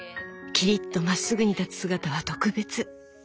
きりっとまっすぐに立つ姿は特別。